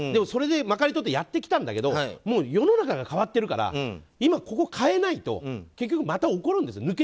それでまかり通ってやってきたんだけど世の中が変わってるから今、ここを変えないと結局また起こるんですよ。